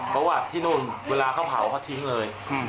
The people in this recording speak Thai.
เพราะที่นั่นเวลาเค้าเผาทิ้งเลย